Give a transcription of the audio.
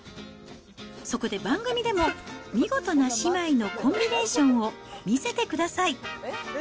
そこで番組でも見事な姉妹のコンビネーションを見せてください。